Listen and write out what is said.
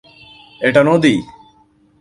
এটা নদী।